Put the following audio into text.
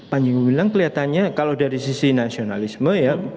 panji gumilang kelihatannya kalau dari sisi nasionalisme ya